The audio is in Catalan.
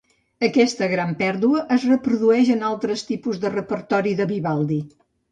Aquesta gran pèrdua es reprodueix en altres tipus de repertori de Vivaldi.